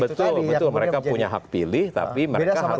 betul mereka punya hak pilih tapi mereka harus netral